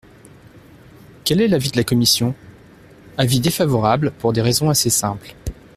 Quel est l’avis de la commission ? Avis défavorable pour des raisons assez simples.